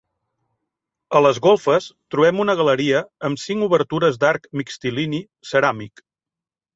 A les golfes trobem una galeria amb cinc obertures d'arc mixtilini ceràmic.